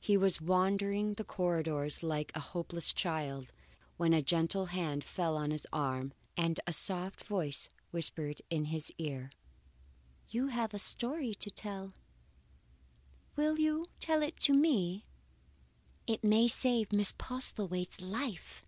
He was wandering the corridors like a helpless child, when a gentle hand fell on his arm and a soft voice whispered in his ear: "You have a story to tell. Will you tell it to me? It may save Miss Postlethwaite's life."